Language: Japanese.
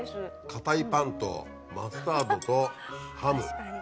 硬いパンとマスタードとハム。